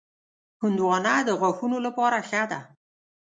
هندوانه د غاښونو لپاره ښه ده.